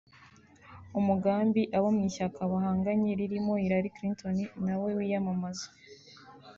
umugambi abo mu ishyaka bahanganye ririmo Hillary Clinton nawe wiyamamaza